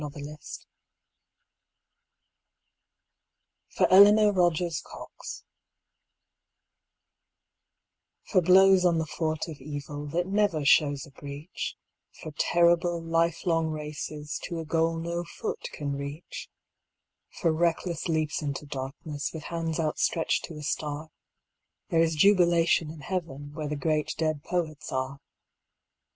Apology (For Eleanor Rogers Cox) For blows on the fort of evil That never shows a breach, For terrible life long races To a goal no foot can reach, For reckless leaps into darkness With hands outstretched to a star, There is jubilation in Heaven Where the great dead poets are.